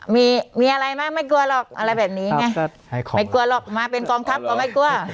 มีมีอะไรไหมไม่กลัวหรอกอะไรแบบนี้ไงไม่กลัวหรอกมาเป็นกองทัพก็ไม่กลัว